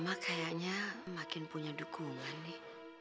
mama kayaknya makin punya dukungan nih